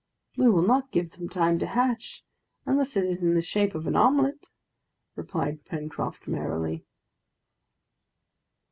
"We will not give them time to hatch, unless it is in the shape of an omelet!" replied Pencroft merrily.